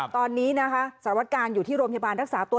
ตอนนี้นะคะสารวัตการณ์อยู่ที่โรงพยาบาลรักษาตัว